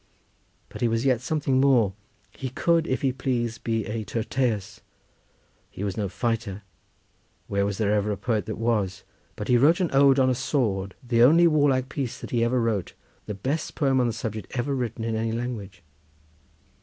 But he was yet something more; he could, if he pleased, be a Tyrtæus; he was no fighter—where was there ever a poet that was?—but he wrote an ode on a sword, the only warlike piece that he ever wrote, the best poem on the subject ever written in any language.